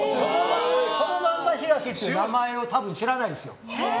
そのまんま東っていう名前を多分知らないですよ。